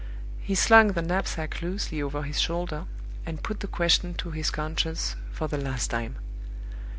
He slung the knapsack loosely over his shoulder and put the question to his conscience for the last time.